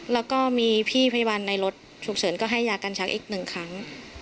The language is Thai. แล้วก็มีพี่พยาบาลในรถฉุกเฉินก็ให้ยากันชักอีกหนึ่งครั้ง